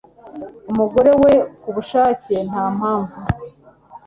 umugore we ku bushake nta mpamvu